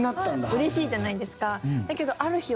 嬉しいじゃないですか。